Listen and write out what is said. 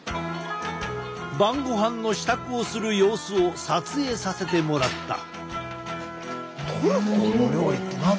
晩ごはんの支度をする様子を撮影させてもらった。